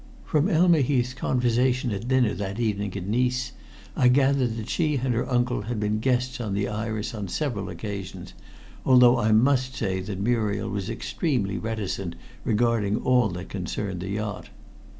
From Elma Heath's conversation at dinner that evening at Nice I gathered that she and her uncle had been guests on the Iris on several occasions, although I must say that Muriel was extremely reticent regarding all that concerned the yacht."